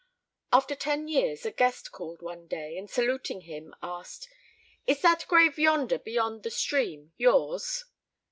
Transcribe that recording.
After ten years a guest called one day, and saluting him asked, "Is that grave yonder, beyond the stream, yours?"